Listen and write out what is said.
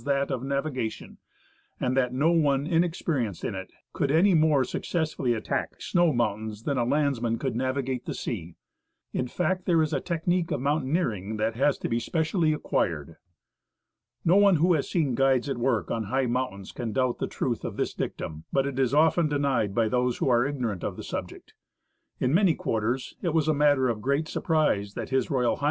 that of navigation, and that no one inexperienced in it could any more successfully attack snow moun tains than a landsman could navigate the sea.^ In fact, there is a technique of mountaineering that has to be specially acquired. No one who has seen fruides at work on his^h mountains can doubt the truth of this dictum ; but it is often denied by those who are ignorant of the subject. In many quarters it was a matter of great surprise that H.R. H.